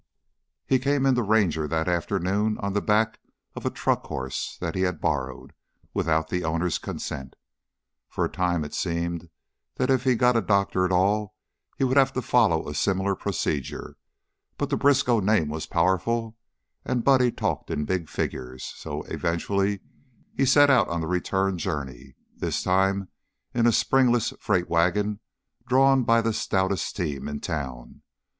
He came into Ranger that afternoon on the back of a truck horse that he had borrowed without the owner's consent. For a time it seemed that if he got a doctor at all he would have to follow a similar procedure, but the Briskow name was powerful, and Buddy talked in big figures, so eventually he set out on the return journey this time in a springless freight wagon drawn by the stoutest team in town.